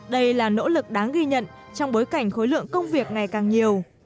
đây là nỗ lực đáng ghi nhận trong bối cảnh khối lượng công việc ngày càng nhiều